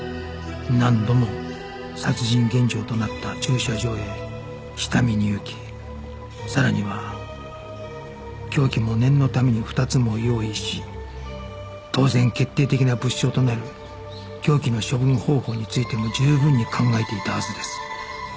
何度も殺人現場となった駐車場へ下見に行きさらには凶器も念のために２つも用意し当然決定的な物証となる凶器の処分方法についても十分に考えていたはずです